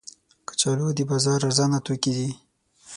کچالو د بازار ارزانه توکي دي